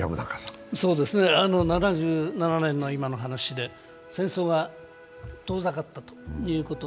７７年の今の話で、戦争が遠ざかったということ。